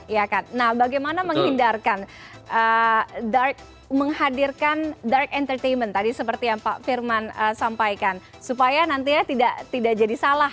ya kan nah bagaimana menghindarkan menghadirkan dark entertainment tadi seperti yang pak firman sampaikan supaya nanti ya tidak jadi salah